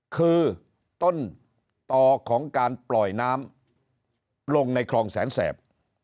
คือต้นต่อของการปล่อยน้ำลงในคลองแสนแสบ